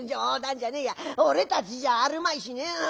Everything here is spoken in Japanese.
冗談じゃねえや俺たちじゃあるまいしね。